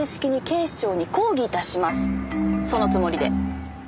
そのつもりで。